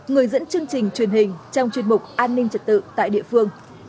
người dẫn chương trình truyền hình trong chuyên mục an ninh trật tự tại địa phương